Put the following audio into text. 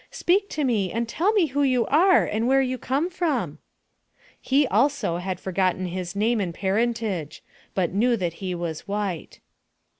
Speak to me, and tell me who you are and where you come from ?" He also had forgotten his name and parentage, but knew that he was white.